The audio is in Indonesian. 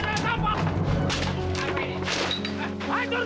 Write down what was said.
sekarang kita berangkat